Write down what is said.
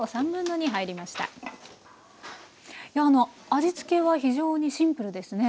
味付けは非常にシンプルですね。